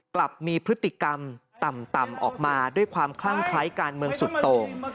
กลับมีพฤติกรรมต่ำออกมาด้วยความคลั่งคล้ายการเมืองสุดโต่ง